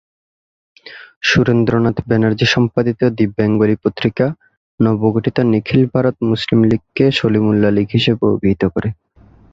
সুরেন্দ্রনাথ ব্যানার্জী সম্পাদিত the Bengalee পত্রিকা নবগঠিত নিখিল ভারত মুসলিম লীগ কে সলিমুল্লাহ লীগ হিসেবে অভিহিত করে।